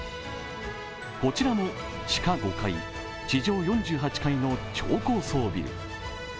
こちらも地下５階、地上４８階の超高層ビル。